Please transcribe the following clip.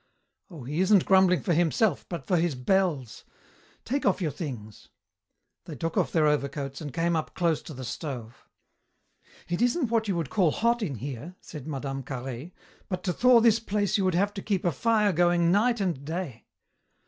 "Oh, he isn't grumbling for himself but for his bells. Take off your things." They took off their overcoats and came up close to the stove. "It isn't what you would call hot in here," said Mme. Carhaix, "but to thaw this place you would have to keep a fire going night and day."